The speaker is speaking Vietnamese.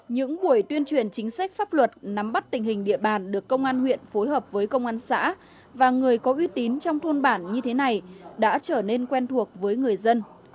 những buổi tuyên truyền chính sách pháp luật nắm bắt tình hình địa bàn được công an huyện phối hợp với công an xã và người có uy tín trong thôn bản như thế này đã trở nên quen thuộc với người dân